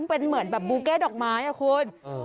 เป็นเหมือนแบบบูเก้ดอกไม้อ่ะคุณ